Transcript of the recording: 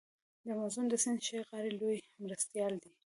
د امازون د سیند ښي غاړی لوی مرستیال دی.